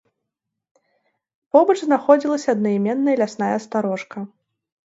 Побач знаходзілася аднайменная лясная старожка.